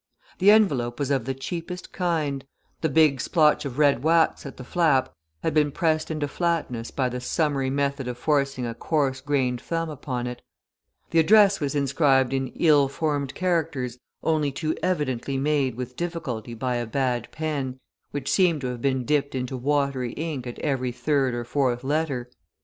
The envelope was of the cheapest kind, the big splotch of red wax at the flap had been pressed into flatness by the summary method of forcing a coarse grained thumb upon it; the address was inscribed in ill formed characters only too evidently made with difficulty by a bad pen, which seemed to have been dipped into watery ink at every third or fourth letter.